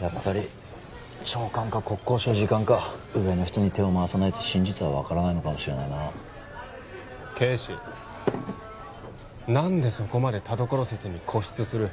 やっぱり長官か国交省次官か上の人に手を回さないと真実は分からないのかもしれないな啓示何でそこまで田所説に固執する？